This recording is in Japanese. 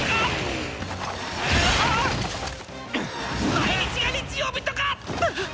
毎日が日曜日とか！